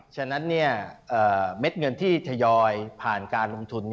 ฉะนั้นเม็ดเงินที่ทยอยผ่านการลงทุน